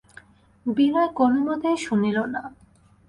বিনয় কোনোমতেই শুনিল না।